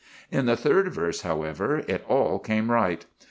In the third verse, however, it all came right.